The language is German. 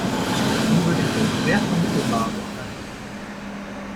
Ihn würde ich als schwer vermittelbar bezeichnen.